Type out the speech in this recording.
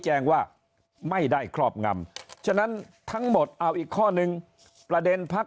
แจ้งว่าไม่ได้ครอบงำฉะนั้นทั้งหมดเอาอีกข้อนึงประเด็นพัก